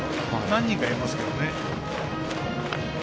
何人かいますけど。